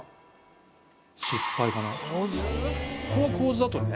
この構図だとね